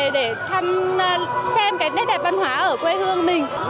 để xem đất đẹp văn hóa ở quê hương mình